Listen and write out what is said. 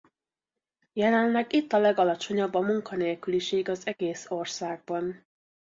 Jelenleg itt a legalacsonyabb a munkanélküliség az egész országban.